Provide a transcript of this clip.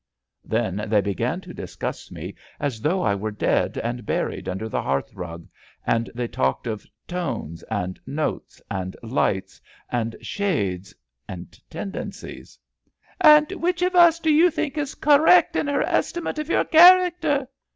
'* Then they began to discuss me as though I were dead and buried under the hearth rug, and they talked of *^ tones '* and " notes *' and " lights " and shades '* and tendencies. And which of us do you think is correct in her estimate of your character!